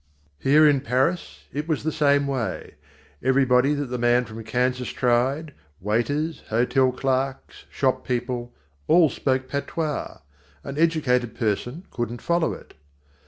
Here in Paris it was the same way. Everybody that the man from Kansas tried waiters, hotel clerks, shop people all spoke patois. An educated person couldn't follow it.